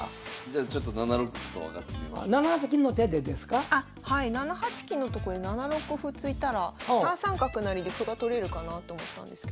あはい７八金のとこで７六歩突いたら３三角成で歩が取れるかなと思ったんですけど。